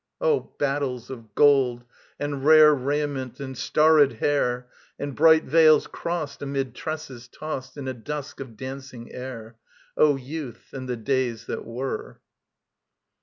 Oh, battles of gold and rare Raiment and starred hair, And bright veils crossed amid tresses tossed In a dusk of dancing air! O Youth and the days that were!